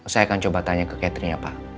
saya akan coba tanya ke catherine ya pak